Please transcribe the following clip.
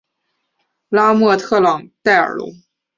拉莫特朗代尔龙。